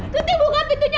tuti buka pintunya